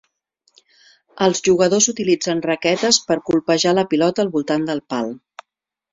Els jugadors utilitzen raquetes per colpejar la pilota al voltant del pal.